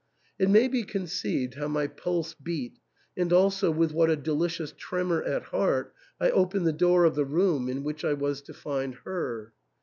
It may be conceived how my pulse beat, and also with what a delicious tremor at heart I opened the door of the room in which I was to find her.